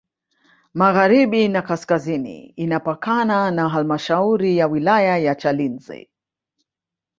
Magharibi na kaskazini inapakana na Halmashauri ya wilaya ya Chalinze